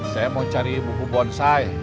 saya mau cari buku bonsai